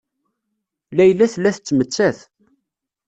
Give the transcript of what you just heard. Layla tella tettmettat.